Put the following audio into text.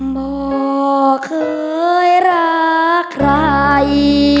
บอกเคยรักใคร